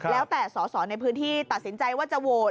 แล้วแต่สอสอในพื้นที่ตัดสินใจว่าจะโหวต